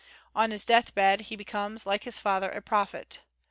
On his deathbed he becomes, like his father, a prophet.